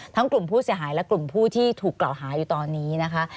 กลุ่มผู้เสียหายและกลุ่มผู้ที่ถูกกล่าวหาอยู่ตอนนี้นะคะ